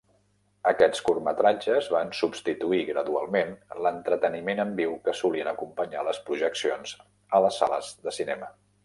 Aquests curtmetratges van substituir gradualment l"entreteniment en viu que solien acompanyar les projeccions a les sales e cinema.